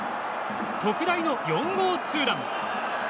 特大の４号ツーラン。